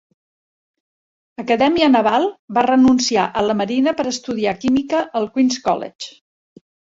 Acadèmia Naval, va renunciar a la Marina per estudiar química al Queens College.